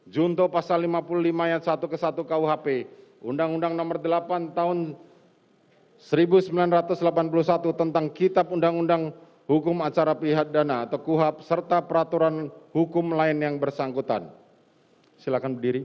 junto pasal lima puluh lima ayat satu kuhab undang undang nomor delapan tahun seribu sembilan ratus delapan puluh satu tentang kitab undang undang hukum acara pihak dana